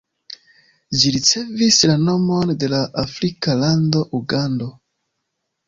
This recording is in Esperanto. Ĝi ricevis la nomon de la afrika lando Ugando.